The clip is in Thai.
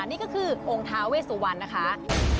นี่ก็คือองค์ท้าเวสุวรรณนะคะ